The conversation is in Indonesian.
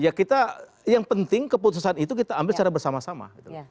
ya kita yang penting keputusan itu kita ambil secara bersama sama